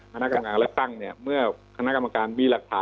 พนักกรรมการและสร้างเนี่ยเมื่อพนักกรรมการมีหลักฐาน